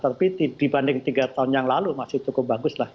tapi dibanding tiga tahun yang lalu masih cukup bagus lah